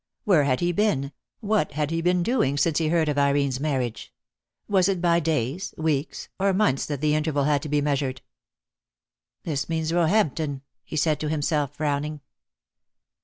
Where had he been, what had he been doing, since he heard of Irene's marriage? Was it by days, weeks, or months that the interval had to be measured? "This means Roehampton," he said to himself, frowning.